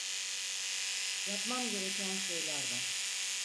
Yapmam gereken şeyler var.